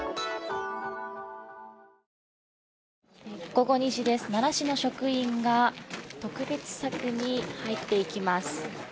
午後２時です、奈良市の職員が特別柵に入っていきます。